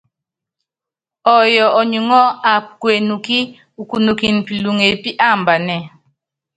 Ɔyɔ ɔnyuŋɔ́ aap ku enukí ukunɔkɛn pilɔŋ epí aambanɛ.